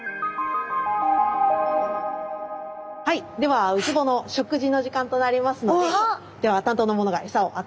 はいではウツボの食事の時間となりますのででは担当の者がエサをあたえていきます。